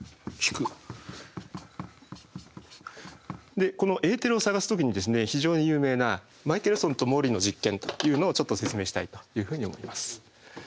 でこのエーテルを探す時に非常に有名な「マイケルソンとモーリーの実験」というのをちょっと説明したいというふうに思います。